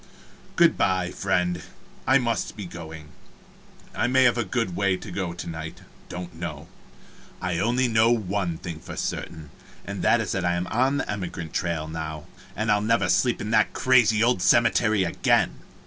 Good by, friend, I must be going. I may have a good way to go to night don't know. I only know one thing for certain, and that is that I am on the emigrant trail now, and I'll never sleep in that crazy old cemetery again.